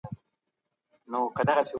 هغه سړي په ناحقه مالونه خوړلي وو.